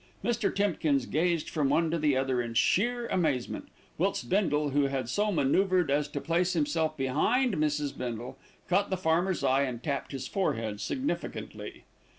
Mr. Timkins gazed from one to the other in sheer amazement, whilst Bindle, who had so manoeuvred as to place himself behind Mrs. Bindle, caught the farmer's eye and tapped his forehead significantly.